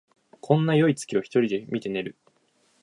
こんなよい月を一人で見て寝る